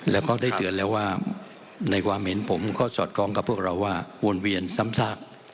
แล้วก็ได้เตือนแล้วว่าในความเห็นผมก็สอดคล้องกับพวกเราว่าวนเวียนซ้ำซาก